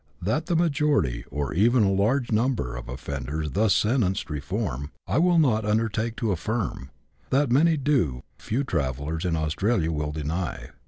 That the majority, or even a large number, of offenders thus sentenced reform, I will not undertake to affirm ; that many do, few travellers in Australia will deny.